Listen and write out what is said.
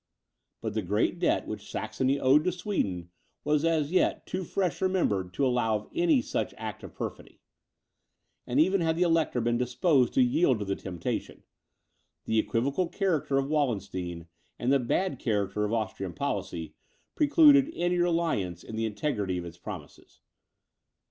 But the great debt which Saxony owed to Sweden, was as yet too freshly remembered to allow of such an act of perfidy; and even had the Elector been disposed to yield to the temptation, the equivocal character of Wallenstein, and the bad character of Austrian policy, precluded any reliance in the integrity of its promises.